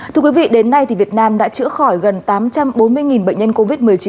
thưa quý vị đến nay việt nam đã chữa khỏi gần tám trăm bốn mươi bệnh nhân covid một mươi chín